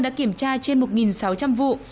đã kiểm tra trên một sáu trăm linh vụ